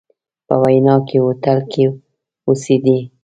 په ویانا کې هوټل کې اوسېدی.